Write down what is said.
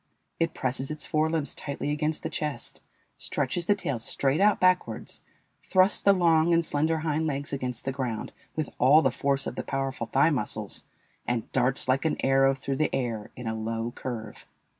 It presses its fore limbs tightly against the chest, stretches the tail straight out backwards, thrusts the long and slender hind legs against the ground with all the force of the powerful thigh muscles, and darts like an arrow through the air in a low curve.